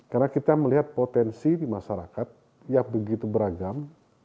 karena kita melihat potensi di masyarakat yang begitu beragam